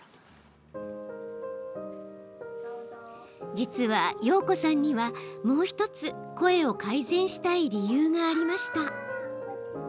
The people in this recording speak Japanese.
実は、曜子さんにはもう１つ声を改善したい理由がありました。